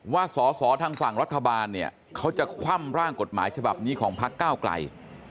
ว่าสอสอทางฝั่งรัฐบาลเนี่ยเขาจะคว่ำร่างกฎหมายฉบับนี้ของพักเก้าไกล